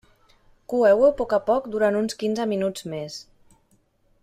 Coeu-ho a poc a poc durant uns quinze minuts més.